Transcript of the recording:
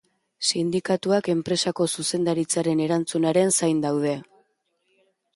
Sindikatuak enpresako zuzendaritzaren erantzunaren zain daude.